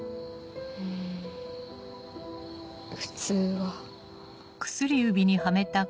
うん普通は。